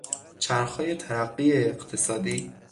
چرخهای ترقی اقتصادی